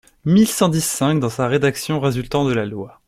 mille cent dix-cinq dans sa rédaction résultant de la loi.